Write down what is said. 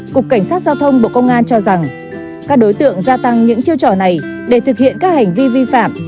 cục cảnh sát giao thông bộ công an cho rằng các đối tượng gia tăng những chiêu trò này để thực hiện các hành vi vi phạm